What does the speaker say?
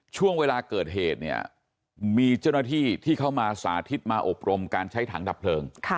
ช่วงเวลาเกิดเหตุเนี่ยมีเจ้าหน้าที่ที่เข้ามาสาธิตมาอบรมการใช้ถังดับเพลิง